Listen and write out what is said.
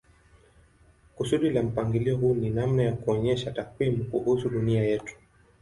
Kusudi la mpangilio huu ni namna ya kuonyesha takwimu kuhusu dunia yetu.